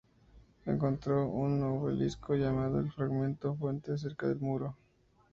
Encontró un obelisco llamado el fragmento fuente cerca del Muro.